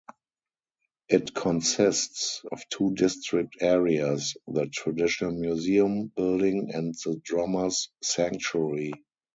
It consists of two distinct areas, the traditional museum building and the drummers' sanctuary.